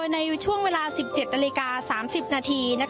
ในช่วงเวลา๑๗นาฬิกา๓๐นาที